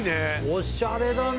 おしゃれだね！